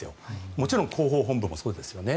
もちろん広報本部もつくんですよね。